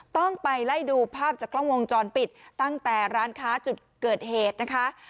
ต้องไปไล่ดูภาพจากกล้องวงจรปิดตั้งแต่ร้านค้าจุดเกิดเหตุนะคะ